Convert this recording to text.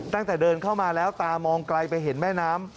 ตั้งแต่เดินเข้ามาแล้วตามองไกลไปเห็นแม่น้ำ